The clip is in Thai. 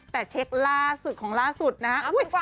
แต่เช็คล่าสุดของล่าสุดนะฮะ